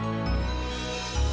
masih nggak bisa berkelakuan kan